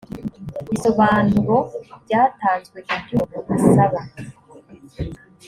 bisobanuro byatanzwe ibyo umuntu asaba